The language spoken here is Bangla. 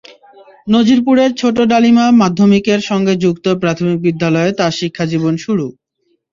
নাজিরপুরের ছোট ডালিমা মাধ্যমিকের সঙ্গে যুক্ত প্রাথমিক বিদ্যালয়ে তাঁর শিক্ষাজীবন শুরু।